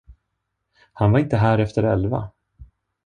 Han var inte här efter elva.